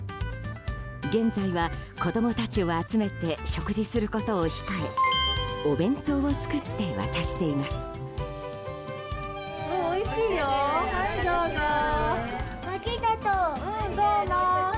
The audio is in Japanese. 現在は、子供たちを集めて食事することを控えお弁当を作って渡しています。